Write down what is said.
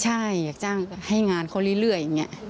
ใช่อยากจ้างให้งานเขาเรื่อยอย่างนี้